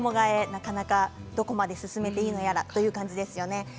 なかなかどこまで進めていいのやらという感じですね。